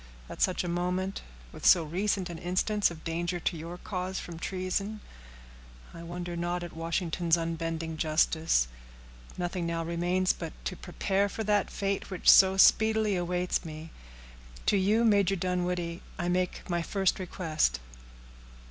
At such a moment, with so recent an instance of danger to your cause from treason, I wonder not at Washington's unbending justice. Nothing now remains but to prepare for that fate which so speedily awaits me. To you, Major Dunwoodie, I make my first request."